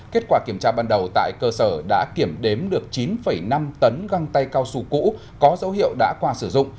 kết quả kiểm tra ban đầu tại cơ sở đã kiểm đếm được chín năm tấn găng tay cao su cũ có dấu hiệu đã qua sử dụng